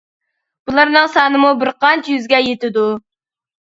بۇلارنىڭ سانىمۇ بىر قانچە يۈزگە يىتىدۇ.